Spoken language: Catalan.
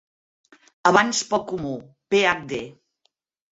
Abans poc comú, PhD.